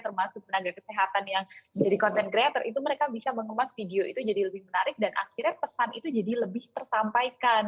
termasuk tenaga kesehatan yang jadi content creator itu mereka bisa mengemas video itu jadi lebih menarik dan akhirnya pesan itu jadi lebih tersampaikan